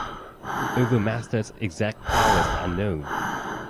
Overmaster's exact powers are unknown.